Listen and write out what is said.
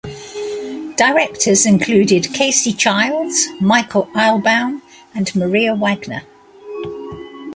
Directors included Casey Childs, Michael Eilbaum, and Maria Wagner.